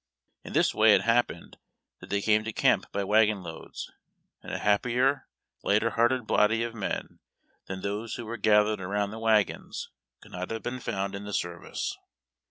In this way it happened that they came to camp by wagon loads, and a happier, lighter hearted body of men than those who were gathered around the wagons could not have been found in the service.